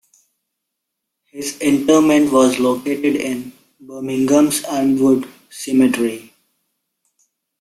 His interment was located in Birmingham's Elmwood Cemetery.